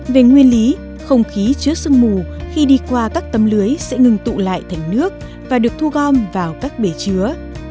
về nguyên lý không khí chứa sương mù khi đi qua các tấm lưới sẽ ngừng tụ lại thành nước và được thu gom vào các bể chứa